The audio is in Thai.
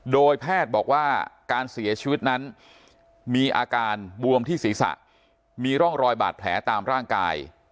โดยแพทย์บอกว่าการเสียชีวิตนั้นมีอาการบวมที่ศีรษะมีร่องรอยบาดแผลตามร่างกาย